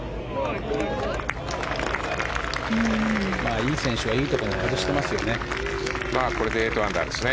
いい選手はいいところに外していますね。